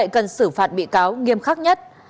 cần xử phạt bị cáo nghiêm khắc nhất